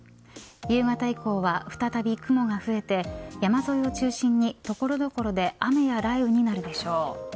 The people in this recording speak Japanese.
夕方以降は再び雲が増えて山沿いを中心に所々で雨や雷雨になるでしょう。